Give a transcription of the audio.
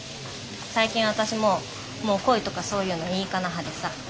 最近私ももう恋とかそういうのいいかな派でさ。